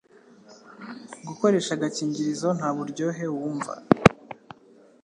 Gukoresha agakingirizo ntaburyohe wumva